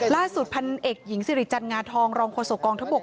ล่าสุดพันเอกหญิงสิริจันงาทองรองโฆษกองทบก